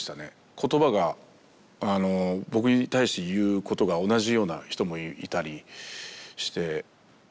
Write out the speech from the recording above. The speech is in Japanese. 言葉が僕に対して言うことが同じような人もいたりして。